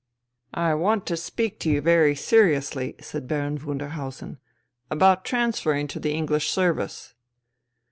" I want to speak to you very seriously," said Baron Wunderhausen, " about transferring to the English Service."